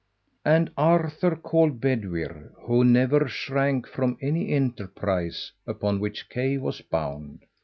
And Arthur called Bedwyr, who never shrank from any enterprise upon which Kay was bound.